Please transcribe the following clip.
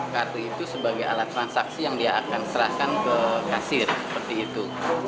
kartu itu sebagai alat transaksi yang dia akan serahkan ke kasir seperti itu